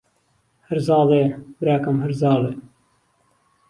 ههرزاڵێ، براکهم ههرزاڵێ